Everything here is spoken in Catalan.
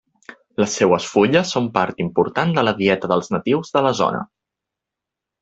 Les seues fulles són part important de la dieta dels natius de la zona.